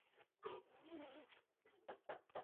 另外写入速度有微小的降低。